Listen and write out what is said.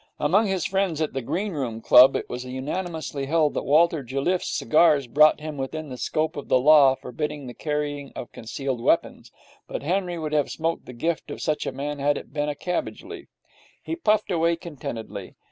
Among his friends at the Green Room Club it was unanimously held that Walter Jelliffe's cigars brought him within the scope of the law forbidding the carrying of concealed weapons; but Henry would have smoked the gift of such a man if it had been a cabbage leaf. He puffed away contentedly.